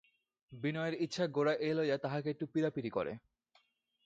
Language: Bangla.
বিনয়ের ইচ্ছা গোরা এই লইয়া তাহাকে একটু পীড়াপীড়ি করে।